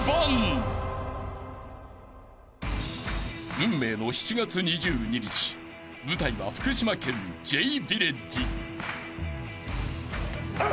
［運命の７月２２日舞台は福島県Ｊヴィレッジ］あっ！